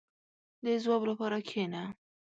• د ځواب لپاره کښېنه.